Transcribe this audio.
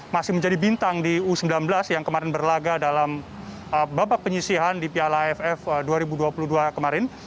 masih menjadi bintang di u sembilan belas yang kemarin berlaga dalam babak penyisihan di piala aff dua ribu dua puluh dua kemarin